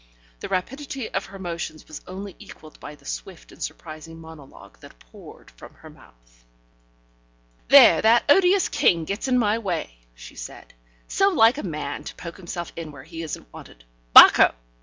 The rapidity of her motions was only equalled by the swift and surprising monologue that poured from her mouth. "There, that odious king gets in my way," she said. "So like a man to poke himself in where he isn't wanted. Bacco!